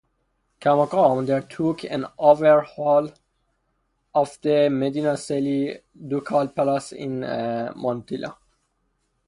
Camacho undertook an overhaul of the Medinaceli ducal palace in Montilla.